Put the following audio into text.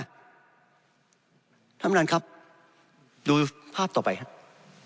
ท่านประธานครับดูภาพต่อไปครับ